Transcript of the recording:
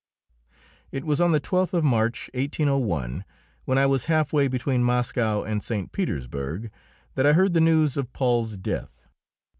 It was on the 12th of March, 1801, when I was half way between Moscow and St. Petersburg, that I heard the news of Paul's death.